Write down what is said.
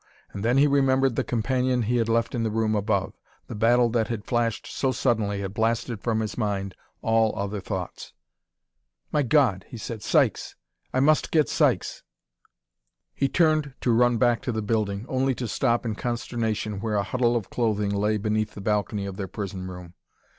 And then he remembered the companion he had left in the room above. The battle that had flashed so suddenly had blasted from his mind all other thoughts. "My God!" he said. " Sykes! I must get Sykes!" He turned to run back to the building, only to stop in consternation where a huddle of clothing lay beneath the balcony of their prison room.